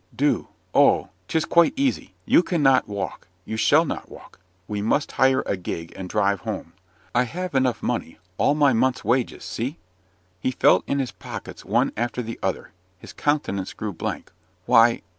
"Do! oh! 'tis quite easy. You cannot walk you shall not walk we must hire a gig and drive home. I have enough money all my month's wages see!" He felt in his pockets one after the other; his countenance grew blank. "Why!